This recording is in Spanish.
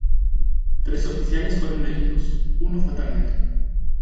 Tres oficiales fueron heridos, uno fatalmente.